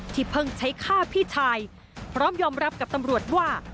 เพิ่งใช้ฆ่าพี่ชายพร้อมยอมรับกับตำรวจว่า